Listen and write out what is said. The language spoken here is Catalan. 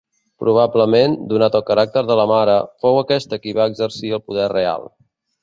Probablement, donat el caràcter de la mare, fou aquesta qui va exercir el poder real.